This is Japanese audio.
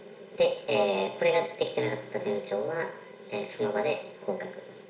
これができてなかった店長はその場で降格。